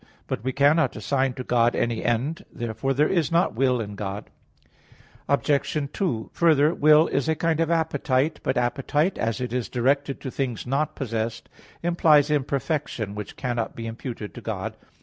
But we cannot assign to God any end. Therefore there is not will in God. Obj. 2: Further, will is a kind of appetite. But appetite, as it is directed to things not possessed, implies imperfection, which cannot be imputed to God.